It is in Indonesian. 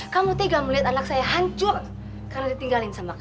kamu tega melihat anak saya hancur karena ditinggalin sama kamu